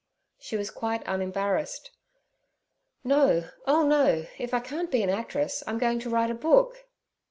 She was quite unembarrassed. 'No, oh no; if I can't be an actress, I'm going to write a book.'